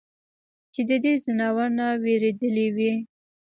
چې د دې ځناورو نه وېرېدلے وي ؟